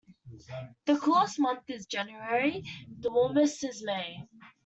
The coolest month is January; the warmest is May.